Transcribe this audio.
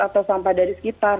atau sampah dari sekitar